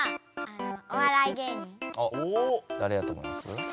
だれやと思います？